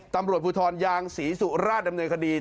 ตำรวจภูทรยางศรีสุราชดำเนินคดี